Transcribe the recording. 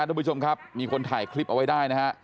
ทุกผู้ชมครับมีคนถ่ายคลิปเอาไว้ได้นะฮะ